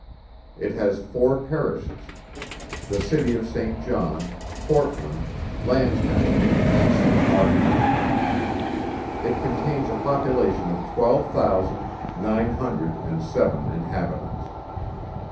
It has four Parishes. The City of Saint John, Portland, Lancaster, and Saint Martins. It contains a population of twelve thousand nine hundred and seven inhabitants.